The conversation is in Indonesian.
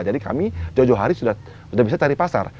jadi kami jauh jauh hari sudah bisa cari pasar